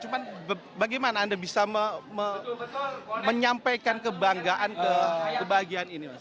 cuman bagaimana anda bisa menyampaikan kebanggaan ke bahagiaan ini